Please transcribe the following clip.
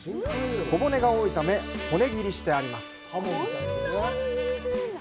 小骨が多いため骨切りしてあります。